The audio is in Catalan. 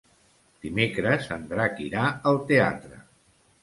Dimecres en Drac irà al teatre.